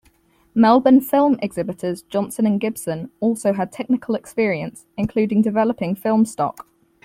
Melbourne film exhibitors Johnson and Gibson also had technical experience, including developing film stock.